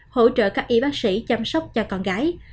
hỗ trợ các y bác sĩ chăm sóc cho con gái